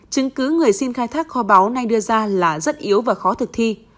chứng cứ người xin khai thác kho báo nay đưa ra là rất yếu và khó thực thi